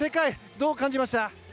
どう感じました？